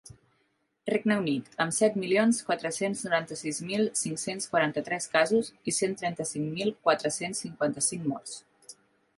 Regne Unit, amb set milions quatre-cents noranta-sis mil cinc-cents quaranta-tres casos i cent trenta-cinc mil quatre-cents cinquanta-cinc morts.